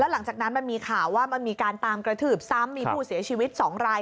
หลังจากนั้นมันมีข่าวว่ามันมีการตามกระทืบซ้ำมีผู้เสียชีวิต๒ราย